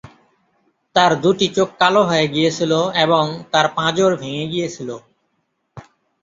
তার দুটি চোখ কালো হয়ে গিয়েছিল এবং তার পাঁজর ভেঙে গিয়েছিল।